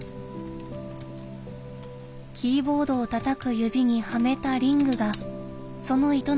キーボードをたたく指にはめたリングがその営みを支えています。